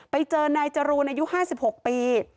ไปเจอนายจรูนอายุ๕๖ปี